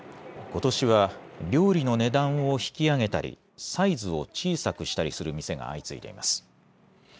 ことしは料理の値段を引き上げたりサイズを小さくしたりする店が相次いでいます。